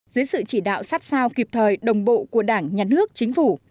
dưới sự chỉ đạo sát sao kịp thời đồng bộ của đảng nhà nước chính phủ